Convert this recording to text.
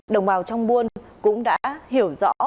đồng bào trong buôn cũng đã hiểu rõ